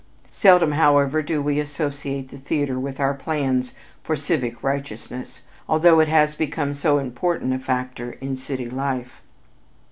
Seldom, however, do we associate the theater with our plans for civic righteousness, although it has become so important a factor in city life.